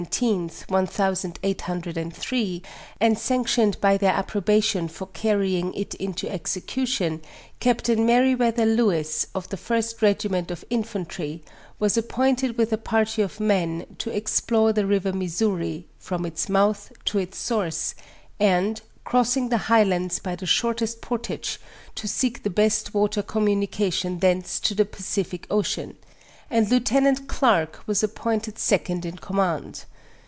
ith, one thousand eight hundred and three, and sanctioned by their approbation for carrying it into exo eution, Captain Meriwether Lewis, of the first regiment of infantry, was appointed with a party of men, to explore the river Missouri, from its mouth to its source, and, crossing the highlands by the shortest portage, to seek the best water communication thence to the Pacific Ocean; and Lieutenant Clarke was appointed second in command.